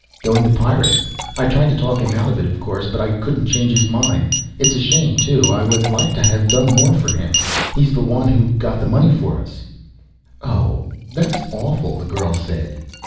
"Going to Pyrrus. I tried to talk him out of it, of course, but I couldn't change his mind. It's a shame, too, I would like to have done more for him. He's the one who got the money for us." "Oh, that's awful," the girl said.